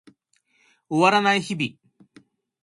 終わらない日々